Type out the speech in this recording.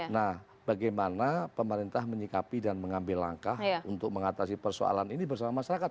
nah bagaimana pemerintah menyikapi dan mengambil langkah untuk mengatasi persoalan ini bersama masyarakat